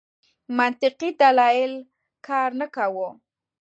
منطقي دلایل کار نه کاوه.